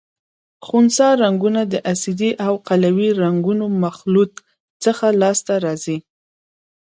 خنثی رنګونه د اسیدي او قلوي رنګونو مخلوط څخه لاس ته راځي.